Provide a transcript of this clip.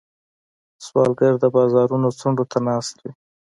سوالګر د بازارونو څنډو ته ناست وي